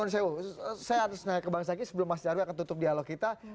saya harus nanya ke bang zaky sebelum mas nyarwi akan tutup dialog kita